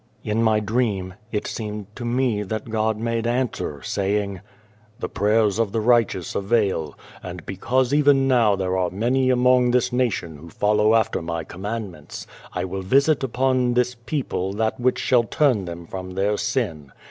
In my dream, it seemed to me that God made answer saying :" The prayers of the righteous avail ; and because even now there are many among this 266 Without a Child nation who follow after My commandments, I will visit upon this people that which shall turn them from their sin.